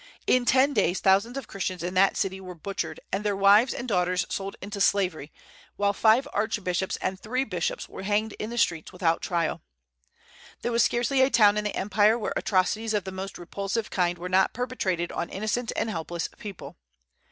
In ten days thousands of Christians in that city were butchered, and their wives and daughters sold into slavery; while five archbishops and three bishops were hanged in the streets, without trial. There was scarcely a town in the empire where atrocities of the most repulsive kind were not perpetrated on innocent and helpless people.